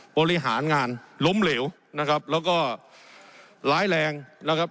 บริหารงานล้มเหลวนะครับแล้วก็ร้ายแรงนะครับ